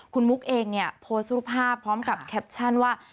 คุณมุกเองเนี่ยโพสต์รูปภาพพร้อมกับแคปชั่นว่า